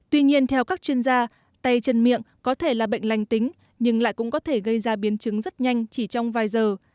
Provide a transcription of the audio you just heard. tuy nhiên theo các chuyên gia tay chân miệng có thể là bệnh lành tính nhưng lại cũng có thể gây ra biến chứng rất nhanh chỉ trong vài giờ